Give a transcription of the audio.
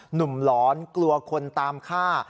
หนุ่มหลอนกลัวคนตามฆ่า